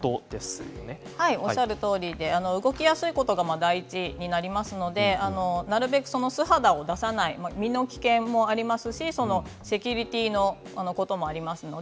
おっしゃるとおりで動きやすいことが第一にありますのでなるべく素肌を出さない身の危険もありますしセキュリティーのこともあります。